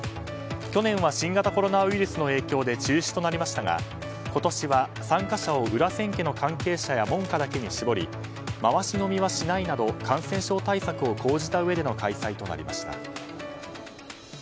去年は新型コロナウイルスの影響で中止となりましたが今年は参加者を裏千家の関係者や門下だけに絞り回し飲みはしないなど感染症対策を講じた上での開催となりました。